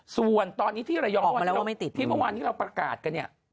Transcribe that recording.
ส่วนตอนนี้ที่ระยองที่เมื่อวานนี้เราประกาศกันเนี่ย